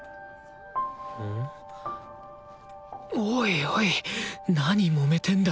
おいおいなにもめてんだ